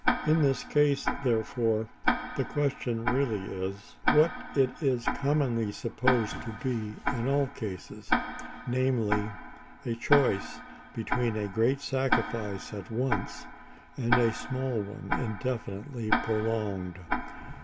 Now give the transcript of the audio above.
In this case, therefore, the question really is, what it is commonly supposed to be in all cases—namely, a choice between a great sacrifice at once, and a small one indefinitely prolonged.